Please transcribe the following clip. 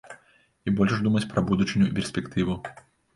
І больш думаць пра будучыню і перспектыву.